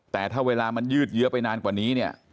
แต่ถ้าเวลามันยืดเยอะไปนานกว่านี้เนี่ย